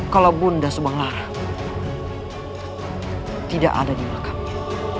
kalau bunda subang lara tidak ada di belakangnya